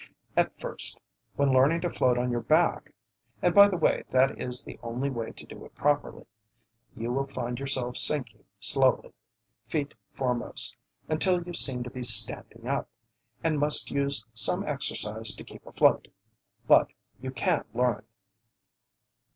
At first, when learning to float on your back, and by the way that is the only way to do it properly, you will find yourself sinking slowly, feet foremost, until you seem to be standing up, and must use some exercise to keep afloat; but you can learn.